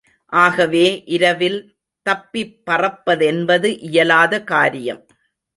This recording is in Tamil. ஆகவே இரவில் தப்பிப்பறப்பதென்பது இயலாத காரியம்.